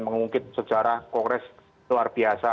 mengungkit sejarah kongres luar biasa